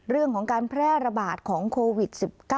เรื่องของการแพร่ระบาดของโควิด๑๙